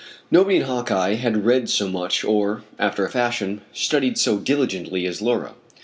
Nobody in Hawkeye had read so much or, after a fashion, studied so diligently as Laura.